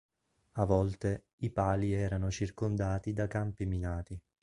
A volte, i pali erano circondati da campi minati.